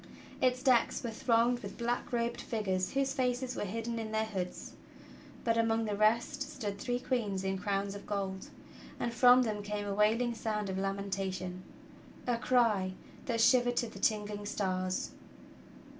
Its decks were thronged with black robed figures whose faces were hidden in their hoods; but among the rest stood three queens in crowns of gold, and from them came a wailing sound of lamentation — a cry "that shivered to the tingling stars."